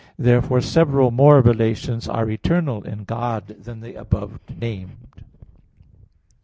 Therefore several more relations are eternal in God than the above named.